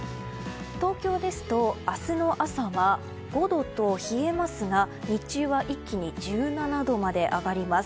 東京ですと明日の朝は５度と冷えますが日中は一気に１７度まで上がります。